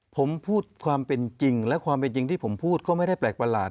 ผมพูดความเป็นจริงและความเป็นจริงที่ผมพูดก็ไม่ได้แปลกประหลาด